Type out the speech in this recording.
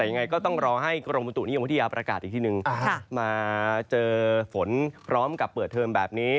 ง่ายก็ต้องรอให้กรมมุตุนิยมพฤษฐรรณ์ประกาศอีกทีหนึ่งมาเจอฝนพร้อมกับเปิดเทิมแบบนี้